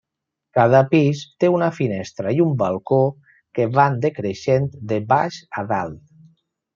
Cada pis té una finestra i un balcó que van decreixent de baix a dalt.